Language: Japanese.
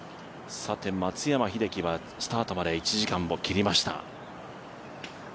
さて松山英樹はスタートまで１時間を切りました。